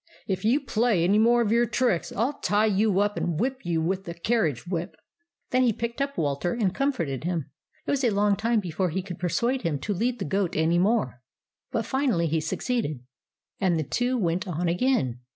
" If you play any more of your tricks, I'll tie you up and whip you with the carriage whip." Then he picked up Walter and comforted him. It was a long time before he could persuade him to lead the goat any more ; but finally he succeeded, and the two went on again.